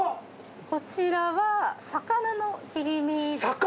こちらは魚の切り身ですね。